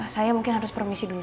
saya mungkin harus permisi dulu